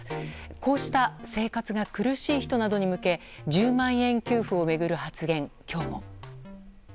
こうした生活が苦しい人などに向け１０万円給付を巡る発言、今日も。